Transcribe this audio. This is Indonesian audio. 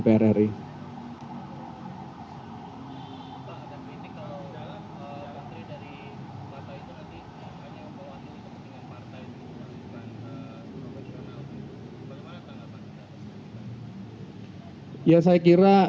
bapak ada kritik kalau dalam pemerintah dari partai itu nanti hanya yang meluas ini kepentingan partai itu